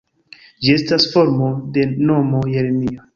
Ĝi estas formo de nomo Jeremia.